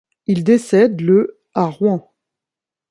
Il décède le à Rouen.